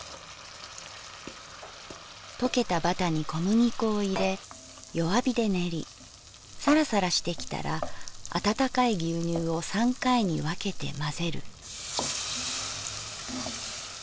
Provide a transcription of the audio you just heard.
「とけたバタに小麦粉をいれ弱火で練りサラサラしてきたら温かい牛乳を三回にわけてまぜる」。